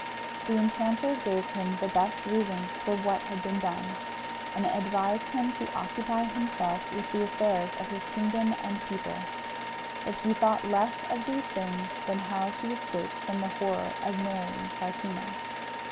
The enchanter gave him the best reasons for what had been done, and advised him to occupy himself with the affairs of his kingdom and people; but he thought less of these things than how to escape from the horror of marrying Troutina.